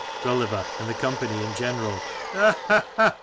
Gulliver and the company in general : Ha ! ha